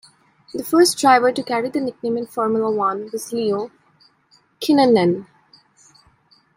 The first driver to carry the nickname in Formula One was Leo Kinnunen.